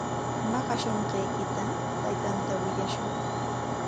Maqashunqaykita taytanta willashun.